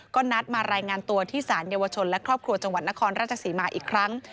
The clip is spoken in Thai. ก็นัดมารายงานตัวที่สารเยาวชนและครอบครัวจังหวัดนครราชศรีมาอีกครั้ง